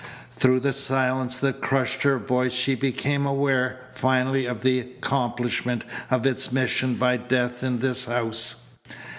Through the silence that crushed her voice she became aware finally of the accomplishment of its mission by death in this house.